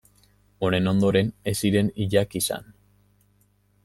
Honen ondoren, ez ziren hilak izan.